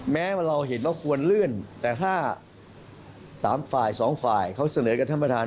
แม้ว่าเราเห็นว่าควรเลื่อนแต่ถ้า๓ฝ่าย๒ฝ่ายเขาเสนอกับท่านประธาน